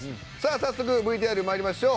早速ＶＴＲに参りましょう。